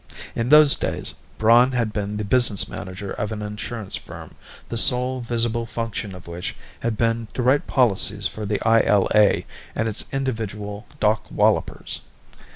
In those days, Braun had been the business manager of an insurance firm, the sole visible function of which had been to write policies for the ILA and its individual dock wallopers.